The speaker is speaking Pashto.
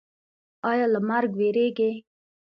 ایا له مرګ ویریږئ؟